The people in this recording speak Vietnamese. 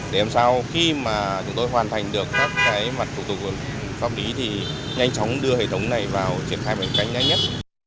để làm sao khi mà chúng tôi hoàn thành được các cái mặt thủ tục pháp lý thì nhanh chóng đưa hệ thống này vào triển khai một cách nhanh nhất